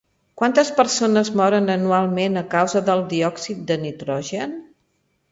Quantes persones moren anualment a causa del diòxid de nitrogen?